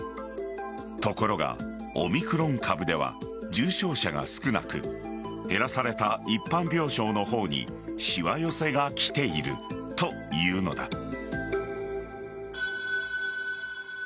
ところが、オミクロン株では重症者が少なく減らされた一般病床の方にしわ寄せがきているというのだ。